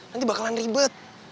nanti bakalan ribet